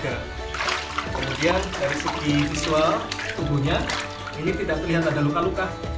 kemudian dari segi visual tubuhnya ini tidak terlihat ada luka luka